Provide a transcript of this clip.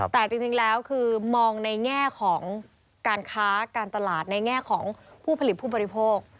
แต่จริงแล้วคือมองในแง่ของการค้าการตลาดในแง่ของผู้ผลิตผู้บริโภค